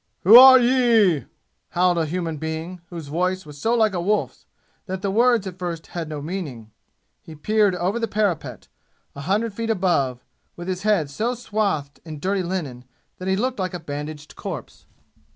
"Who are ye?" howled a human being, whose voice was so like a wolf's that the words at first had no meaning. He peered over the parapet, a hundred feet above, with his head so swathed in dirty linen that he looked like a bandaged corpse.